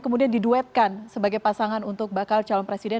kemudian diduetkan sebagai pasangan untuk bakal calon presiden